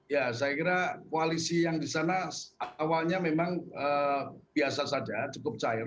ya saya kira koalisi yang di sana awalnya memang biasa saja cukup cair